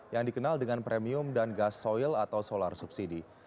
yang dikenal dengan premium dan gas soil atau solar subsidi